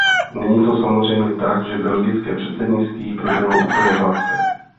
Není to samozřejmě tak, že belgické předsednictví proběhlo úplně hladce.